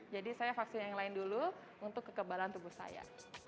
jadi saya vaksin yang lain dulu untuk kekebalan tubuh saya